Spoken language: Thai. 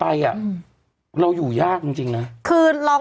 อ่าดูเรื่อง